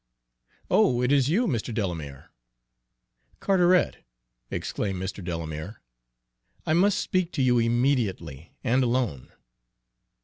"Oh, it is you, Mr. Delamere." "Carteret," exclaimed Mr. Delamere, "I must speak to you immediately, and alone."